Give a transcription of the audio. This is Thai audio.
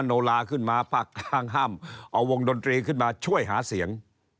ออกวงดนตรีขึ้นมาช่วยหาเสียง